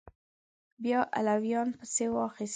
بیا علویان پسې واخیستل